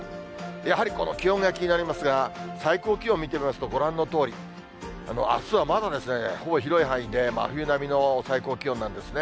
やはりこの気温が気になりますが、最高気温見てみますと、ご覧のとおり、あすはまだほぼ広い範囲で真冬並みの最高気温なんですね。